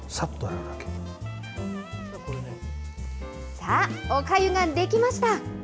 さあ、おかゆができました。